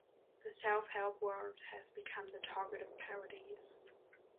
The self-help world has become the target of parodies.